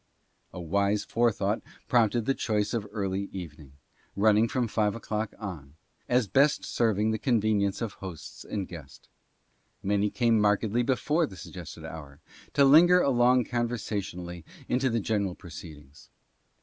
A wise forethought prompted the choice of early evening — running from five o'clock on — as best serving the convenience of hosts and guest. Many came markedly before the suggested hour, to linger along conversationally into the general proceed ings.